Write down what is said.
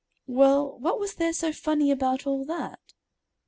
"Well, what was there so funny about all that?"